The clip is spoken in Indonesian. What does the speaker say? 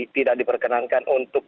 tidak diperkenankan untuk